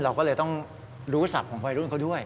เราก็เลยต้องรู้ศัพท์ของวัยรุ่นเขาด้วย